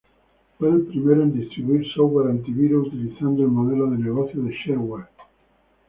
Fue el primero en distribuir software antivirus utilizando el modelo de negocio de "shareware".